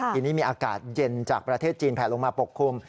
ทีนี้มีอากาศเย็นจากประเทศจีนแผลลงมาปกคลุม